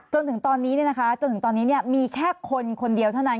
จนถึงตอนนี้มีแค่คนคนเดียวเท่านั้น